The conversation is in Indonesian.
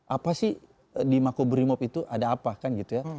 apa sih di makobrimob itu ada apa kan gitu ya